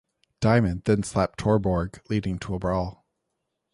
Diamond then slapped Torborg, leading to a brawl.